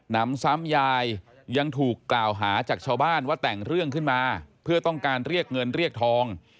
นำซ้ำยายยังถูกกล่าวหาจากชาวบ้านว่าแต่งเรื่องขึ้นมาเพื่อต้องการเรียกเงินเรียกทอง